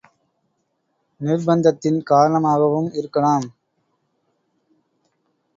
நிர்பந்தத்தின் காரணமாகவும் இருக்கலாம்.